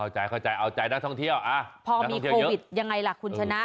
เข้าใจเอาใจนักท่องเที่ยวพอมีโควิดยังไงล่ะคุณชนะ